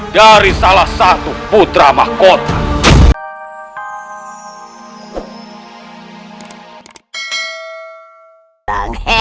dari salah satu putra mahkota